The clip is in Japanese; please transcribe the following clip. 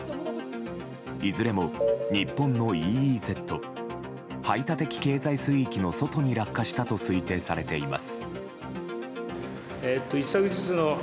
いずれも日本のＥＥＺ・排他的経済水域の外に落下したと推定されています。